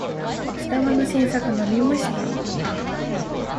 スタバの新作飲みました？